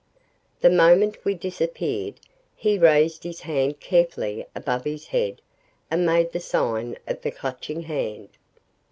The moment we disappeared, he raised his hand carefully above his head and made the sign of the Clutching Hand.